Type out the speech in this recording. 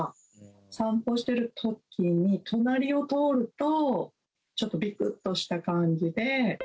散歩してるときに、隣を通ると、ちょっとびくっとした感じで。